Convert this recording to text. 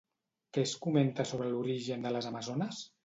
Què es comenta sobre l'origen de les amazones?